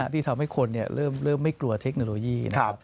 ที่ทำให้คนเริ่มไม่กลัวเทคโนโลยีนะครับ